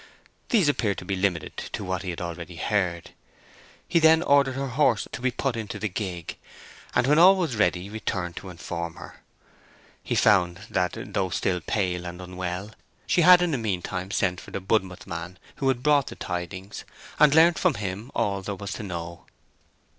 These appeared to be limited to what he had already heard. He then ordered her horse to be put into the gig, and when all was ready returned to inform her. He found that, though still pale and unwell, she had in the meantime sent for the Budmouth man who brought the tidings, and learnt from him all there was to know.